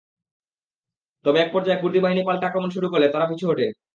তবে একপর্যায়ে কুর্দি বাহিনী পাল্টা আক্রমণ শুরু করলে তারা পিছু হটে।